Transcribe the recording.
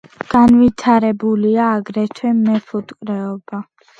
განვითარებულია აგრეთვე მეფუტკრეობა.